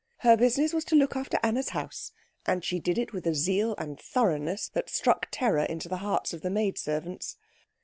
Her business was to look after Anna's house; and she did it with a zeal and thoroughness that struck terror into the hearts of the maid servants.